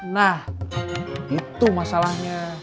nah itu masalahnya